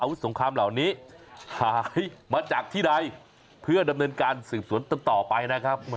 สงครามเหล่านี้หายมาจากที่ใดเพื่อดำเนินการสืบสวนต่อไปนะครับ